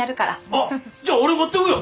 あっじゃ俺持ってくよ。